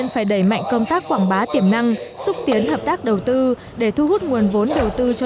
phải đẩy mạnh công tác quảng bá tiềm năng xúc tiến hợp tác đầu tư để thu hút nguồn vốn đầu tư cho